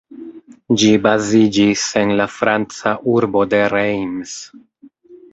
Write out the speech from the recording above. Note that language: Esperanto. Ĝi baziĝis en la Franca urbo de Reims.